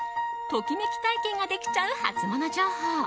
ときめき体験ができちゃうハツモノ情報。